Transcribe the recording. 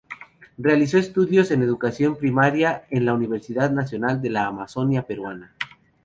Realizó estudios en Educación Primaria en la Universidad Nacional de la Amazonia Peruana.